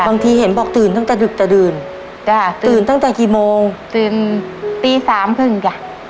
บางทีเห็นบอกตื่นตั้งแต่ดึกจะดื่นจ้ะตื่นตั้งแต่กี่โมงตื่นตีสามครึ่งจ้ะ